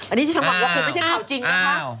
อันนี้ที่ฉันหวังว่าคงไม่ใช่ข่าวจริงนะคะ